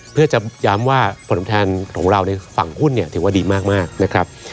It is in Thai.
เพื่อจะย้ำว่าผลแทนของเราในฝั่งหุ้นเนี่ยถือว่าดีมากนะครับ